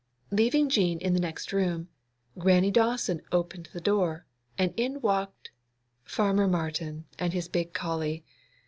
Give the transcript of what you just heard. Leaving Jean in the next room, Grannie Dawson opened the door, and in walked—Farmer Martin and his big collie!